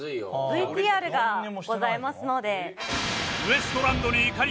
ＶＴＲがございますので。